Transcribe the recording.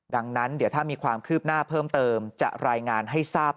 ดังนั้นเดี๋ยวถ้ามีความคืบหน้าเพิ่มเติมจะรายงานให้ทราบ